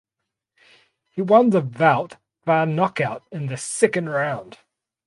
He won the bout via knockout in the second round.